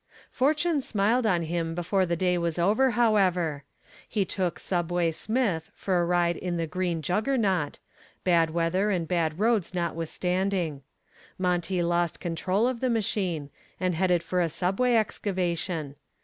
Fortune smiled on him before the day was over, however. He took "Subway" Smith for a ride in the "Green Juggernaut," bad weather and bad roads notwithstanding. Monty lost control of the machine and headed for a subway excavation.